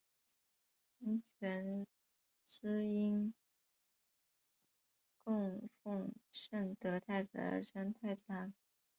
圆泉寺因供奉圣德太子而称太子堂。